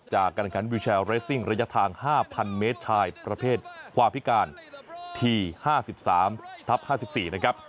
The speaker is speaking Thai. การแข่งขันวิวแชร์เรสซิ่งระยะทาง๕๐๐เมตรชายประเภทความพิการที๕๓ทับ๕๔นะครับ